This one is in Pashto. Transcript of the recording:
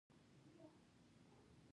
باید له ثباته ډک چاپیریال رامنځته شي.